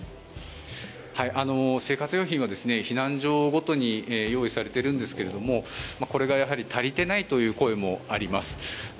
生活用品は避難所ごとに用意されているんですがこれが足りていないという声もあります。